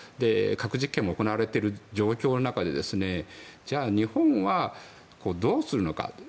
核実験も行われている状況の中でじゃあ、日本はどうするのか。